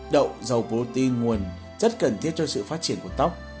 đậu dầu protein nguồn rất cần thiết cho sự phát triển của tóc